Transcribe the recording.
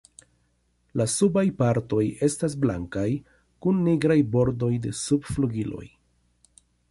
La subaj partoj estas blankaj, kun nigraj bordoj de subflugiloj.